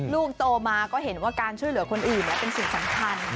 ลูกโตมาก็เห็นว่าการช่วยเหลือคนอื่นเป็นสิ่งสำคัญ